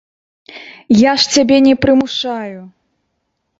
Я ж цябе не прымушаю.